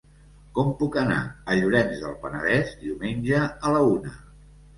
Com puc anar a Llorenç del Penedès diumenge a la una?